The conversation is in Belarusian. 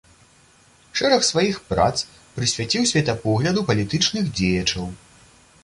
Шэраг сваіх прац прысвяціў светапогляду палітычных дзеячаў.